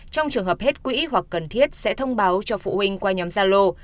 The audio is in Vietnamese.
trong trường hợp hết quỹ hoặc cần thiết sẽ thông báo cho phụ huynh qua nhóm gia lô